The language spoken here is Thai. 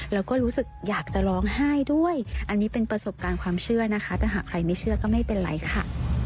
แล้วก็รู้สึกอยากจะร้องไห้ด้วยอันนี้เป็นประสบการณ์ความเชื่อนะคะถ้าหากใครไม่เชื่อก็ไม่เป็นไรค่ะ